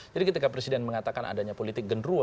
jadi ketika presiden mengatakan adanya politik genruwo